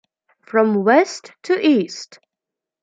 From west to east.